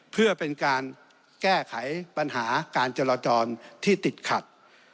เพื่อเป็นการแก้ไขปัญหาการจราจรที่ติดขัด